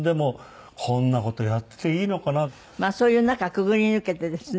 そういう中くぐり抜けてですね